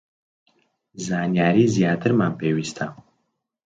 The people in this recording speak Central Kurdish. زانیاری زیاترمان پێویستە